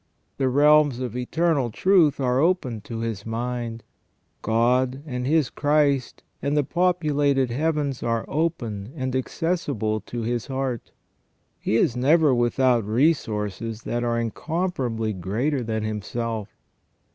The realms of eternal truth are open to his mind ; God, and His Christ, and the populated heavens are open and accessible to his heart. He is never without resources that are incomparably greater than himself.